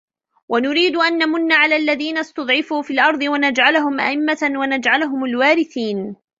وَنُريدُ أَن نَمُنَّ عَلَى الَّذينَ استُضعِفوا فِي الأَرضِ وَنَجعَلَهُم أَئِمَّةً وَنَجعَلَهُمُ الوارِثينَ